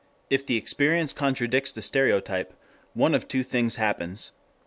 If the experience contradicts the stereotype, one of two things happens.